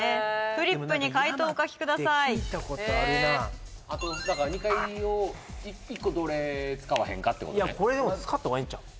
フリップに解答お書きください・聞いたことあるなだから２回を１個どれ使わへんかってことねいやこれでも使った方がええんちゃう？